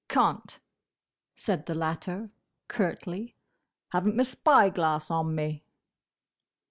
"Can't," said the latter, curtly, "haven't my spy glass on me!"